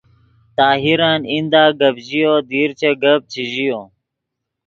طاہرن ایندہ گپ ژیو دیر چے گپ چے ژیو